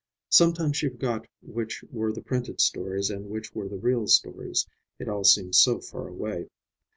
Sometimes she forgot which were the printed stories and which were the real stories, it all seemed so far away.